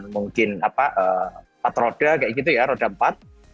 mungkin empat roda roda empat